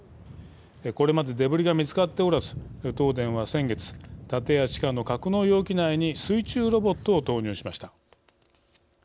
これまでデブリが見つかっておらず東電は先月、建屋地下の格納容器内に水中ロボットを投入しました。